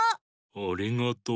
ありがとう。